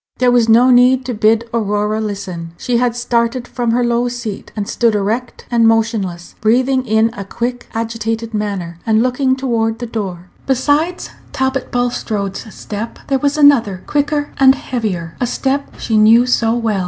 There was no need to bid Aurora listen; she had started from her low seat, and stood erect and motionless, breathing in a quick, agitated manner, and looking toward the door. Besides Talbot Bulstrode's step there was another, quicker and heavier a step she knew so well.